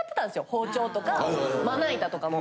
包丁とかまな板とかも。